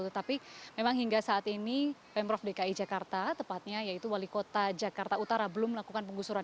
tetapi memang hingga saat ini pemprov dki jakarta tepatnya yaitu wali kota jakarta utara belum melakukan penggusuran